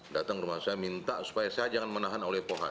datang ke rumah saya minta supaya saya jangan menahan oleh pohon